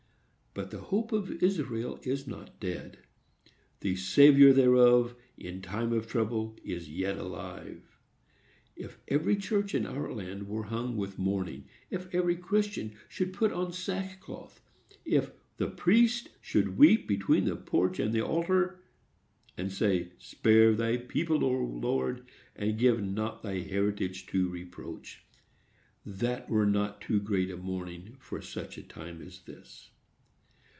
But the Hope of Israel is not dead. The Saviour thereof in time of trouble is yet alive. If every church in our land were hung with mourning,—if every Christian should put on sack cloth,—if "the priest should weep between the porch and the altar," and say, "Spare thy people, O Lord, and give not thy heritage to reproach!"—that were not too great a mourning for such a time as this.